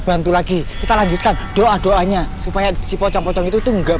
bantu lagi kita lanjutkan doa doanya supaya si pocong pocong itu enggak